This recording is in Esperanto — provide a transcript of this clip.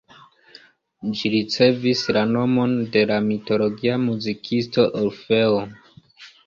Ĝi ricevis la nomon de la mitologia muzikisto Orfeo.